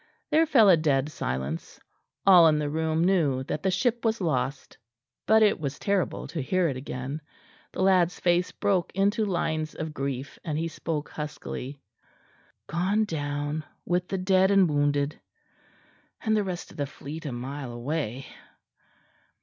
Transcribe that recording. There fell a dead silence: all in the room knew that the ship was lost, but it was terrible to hear it again. The lad's face broke into lines of grief, and he spoke huskily. "Gone down with the dead and wounded; and the rest of the fleet a mile away."